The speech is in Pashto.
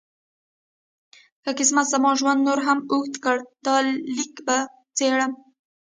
که قسمت زما ژوند نور هم اوږد کړ دا لیک به څېرم.